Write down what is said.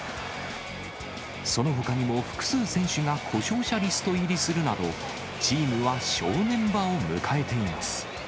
そのほかにも複数選手が故障者リスト入りするなど、チームは正念場を迎えています。